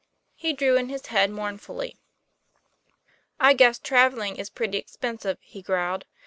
He drew in his head mournfully. 42 TOM PLAYFAIR. "I guess travelling is pretty expensive," he growled.